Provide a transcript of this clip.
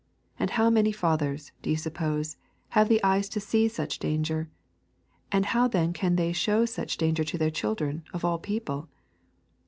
And how many fathers, do you suppose, have the eyes to see such danger, and how then can they shew such danger to their children, of all people?